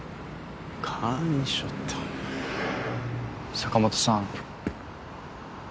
坂本さん。